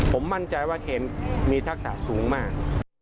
ผมมั่นใจว่าเคนมีทักษะสูงมาก